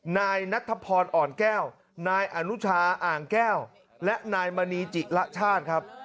นายนัทพรอ่อนแก้วนายอนุชาอ่างแก้วและนายมณีจิละชาติครับ